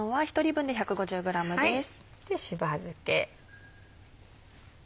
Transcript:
でしば漬け。